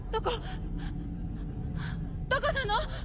どこなの？